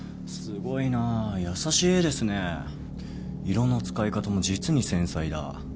色の使い方も実に繊細だ。